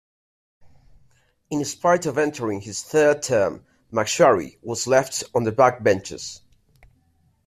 In spite of entering his third term MacSharry was left on the backbenches.